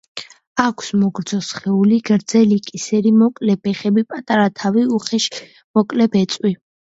აქვს მოგრძო სხეული, გრძელი კისერი, მოკლე ფეხები, პატარა თავი, უხეში მოკლე ბეწვი.